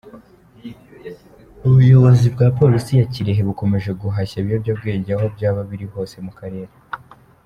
Ubuyobizi bwa polisi ya Kirehe bukomeje guhashya ibiyobyabwenge aho byaba biri hose mu karere.